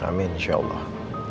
amin insya allah